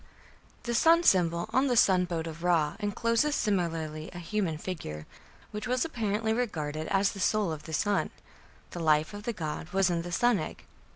The sun symbol on the sun boat of Ra encloses similarly a human figure, which was apparently regarded as the soul of the sun: the life of the god was in the "sun egg".